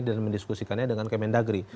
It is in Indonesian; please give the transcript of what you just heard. dan mendiskusikannya dengan kemendagri